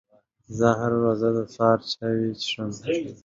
زه هره ورځ د سهار چای څښم